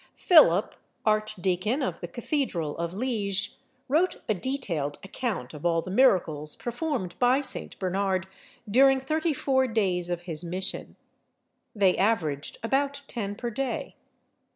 Philip, Archdeacon of the cathedral of Liege, wrote a detailed account of all the miracles performed by St. Bernard during thirty four days of his mission. They averaged about ten per day.